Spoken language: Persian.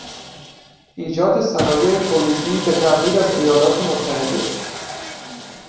ایجاد صنایع تولیدی به تقلید از ایالت متحده